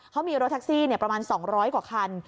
เขามีรถแท็กซี่ประมาณ๒๐๐กว่าคัน